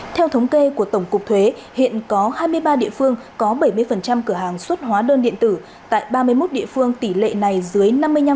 theo thống kê của tổng cục thuế hiện có hai mươi ba địa phương có bảy mươi cửa hàng xuất hóa đơn điện tử tại ba mươi một địa phương tỷ lệ này dưới năm mươi năm